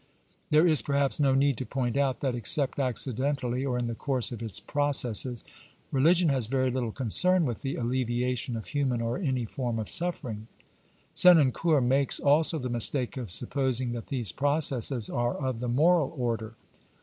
i There is perhaps no need to point out that, except accidentally, or in the course of its processes, religion has very little concern with the alleviation of human or any form of suffering. Senancour makes also the mistake of supposing that these processes are of the moral order.